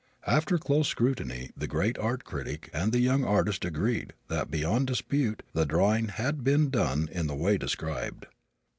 After close scrutiny the great art critic and the young artist agreed that, beyond dispute, the drawing had been done in the way described.